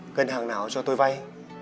ngân hàng nào cho tôi vay